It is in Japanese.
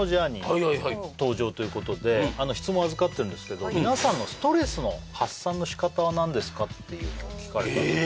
はいはい質問預かってるんですけど皆さんのストレスの発散の仕方は何ですかっていうのを聞かれたんです